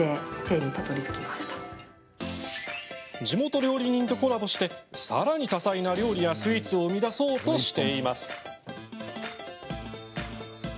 地元料理人とコラボしてさらに多彩な料理やスイーツを生み出そうとしています。